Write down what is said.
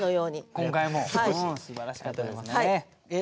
今回もすばらしかったです。